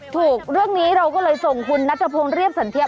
ถูกเรื่องนี้เราก็เลยส่งคุณนัทพงศ์เรียบสันเทีย